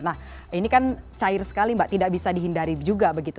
nah ini kan cair sekali mbak tidak bisa dihindari juga begitu